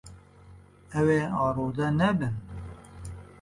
Ew ê arode nebin.